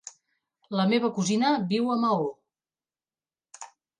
La meva cosina viu a Maó.